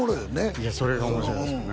いやそれが面白いんですよね